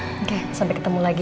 oke sampai ketemu lagi